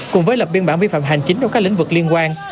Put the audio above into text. cùng với lập biên bản vi phạm hành chính trong các lĩnh vực liên quan